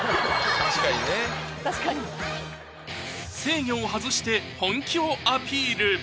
確かに制御を外して本気をアピール！